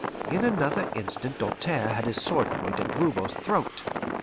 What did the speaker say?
In another instant Doltaire had his sword point at Voban's throat.